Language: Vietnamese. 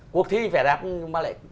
cuộc thi vẻ đẹp mà lại